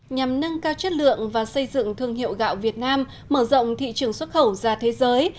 nhằm nâng cao chất lượng và xây dựng thương hiệu gạo việt nam mở rộng thị trường xuất khẩu ra thế giới